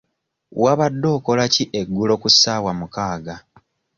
Wabadde okola ki eggulo ku ssaawa mukaaga?